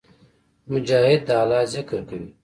مجاهد د الله ذکر کوي.